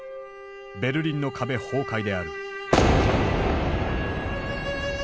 ベルリンの壁崩壊である。